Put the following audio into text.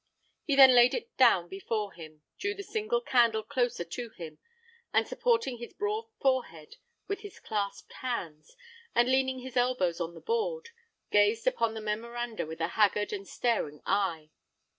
He then laid it down before him, drew the single candle closer to him, and supporting his broad forehead with his clasped hands, and leaning his elbows on the board, gazed upon the memoranda with a haggard and staring eye.